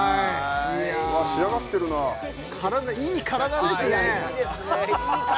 仕上がってるなあいい体ですね